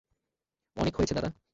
অনেক হয়েছে দাদা!